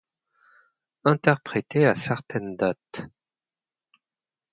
Interprétée à certaines dates.